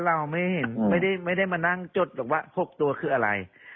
เราไม่ได้เห็นไม่ได้มานั่งจดหรอกว่า๖ตัวคืออะไร